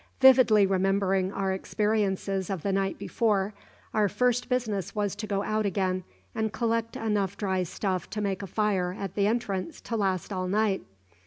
"Vividly remembering our experiences of the night before, our first business was to go out again and collect enough dry stuff to make a fire at the entrance to last all night.